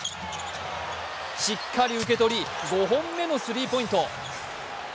しっかり受け取り５本目のスリーポイント。